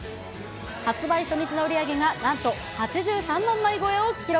発売初日の売り上げがなんと８３万枚超えを記録。